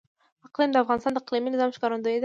اقلیم د افغانستان د اقلیمي نظام ښکارندوی ده.